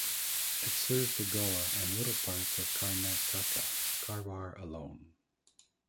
It serves the goa and little parts of karnataka (karwar alone).